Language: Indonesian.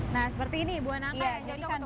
nah seperti ini buah nangka yang cocok untuk brownies